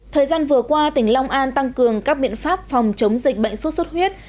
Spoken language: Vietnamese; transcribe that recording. thời gian vừa qua tỉnh long an tăng cường các biện pháp phòng chống dịch bệnh sốt xuất huyết